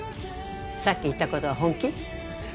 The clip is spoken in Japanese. さっき言ったことは本気？